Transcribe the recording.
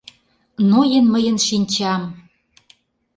Ноен мыйын шинчам —